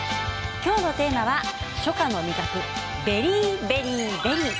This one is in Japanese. きょうのテーマは初夏の味覚、ベリーベリーベリー。